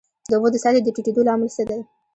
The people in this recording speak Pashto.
د اوبو د سطحې د ټیټیدو لامل څه دی؟